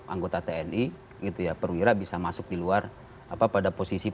anggota tni gitu ya perwira bisa masuk di luar apa pada posisi politik